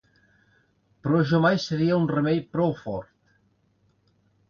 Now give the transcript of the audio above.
Per jo mai seria un remei prou fort.